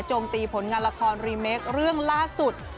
ตีผลงานละครรีเมคเรื่องล่าสุด